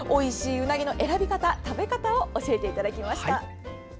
うなぎの選び方食べ方を教えていただきました。